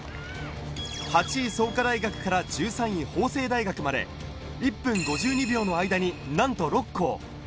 ８位・創価大学から１３位・法政大学まで１分５２秒の間になんと６校。